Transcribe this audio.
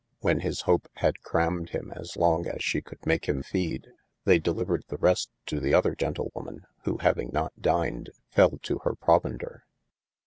When his Hope had crammed him as longe as she coulde make him feede, they delyvered the rest to the other gentlewoman who having not dyned, fell to hir provender.